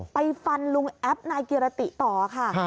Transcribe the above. ไปฟันลุงแอปนายกิรติต่อค่ะ